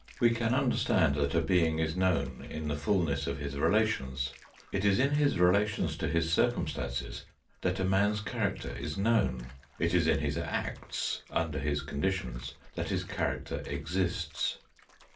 We can understand that a being is known in the fulness of his relations ; it is in his relations to his circumstances that a man's character is known ; it is in his acts under his conditions that his character exists.